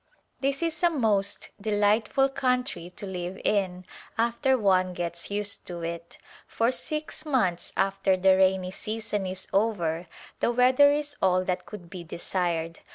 This is a most delightful country to live in after one gets used to it. For six months after the rainy A Glimpse of India season is over the weather is all that could be desired.